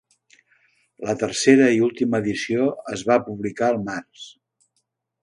La tercera i última edició es va publicar al març.